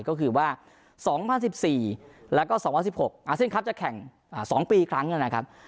ก็คือว่า๒๐๑๔แล้วก็๒๐๑๖อาเซียนคลับจะแข่ง๒ปีครั้งนะครับ